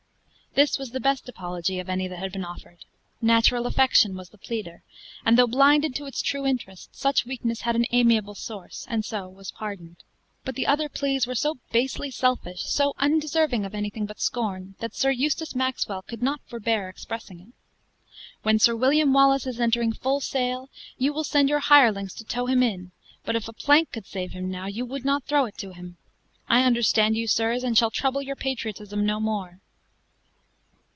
This was the best apology of any that had been offered; natural affection was the pleader; and though blinded to its true interest, such weakness had an amiable source, and so was pardoned. But the other pleas were so basely selfish, so undeserving of anything but scorn, that Sir Eustace Maxwell could not forbear expressing it. "When Sir William Wallace is entering full sail, you will send your hirelings to tow him in! but if a plank could save him now, you would not throw it to him! I understand you, sirs, and shall trouble your patriotism no more."